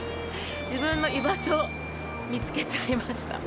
自分の居場所、見つけちゃいました。